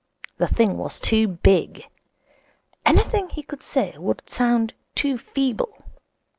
The thing was too big. Anything he could say would sound too feeble.